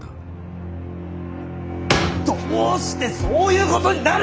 どうしてそういうことになる！